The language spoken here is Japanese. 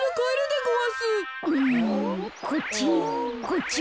こっち？